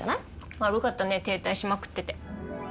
悪かったね停滞しまくってて。